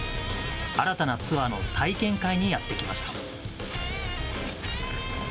新たなツアーの体験会にやってきました。